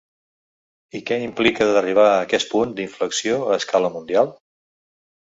I què implica d’arribar a aquest punt d’inflexió a escala mundial?